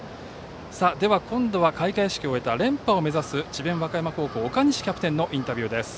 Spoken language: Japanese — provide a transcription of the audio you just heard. では今度は開会式を終えた連覇を目指す智弁和歌山高校岡西キャプテンのインタビューです。